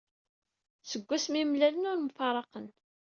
Seg wasmi i mlalen ur mfaraqen.